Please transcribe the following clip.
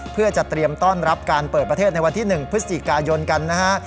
เพื่อจะเตรียมต้อนรับการเปิดประเทศในวันที่๑พฤศจิกายนกันนะฮะ